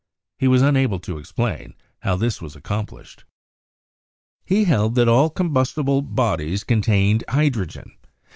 He was unable to explain how this was accomplished. He held that all combustible bodies contained hydro gen.